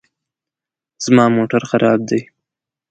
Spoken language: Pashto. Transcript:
زما موټر خراب دی